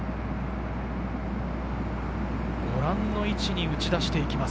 ご覧の位置に打ち出していきます。